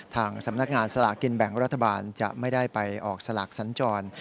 ทางสำนักงานสลากกินแบ่งรัฐบาลจะไม่ได้ไปออกสลากสัญจร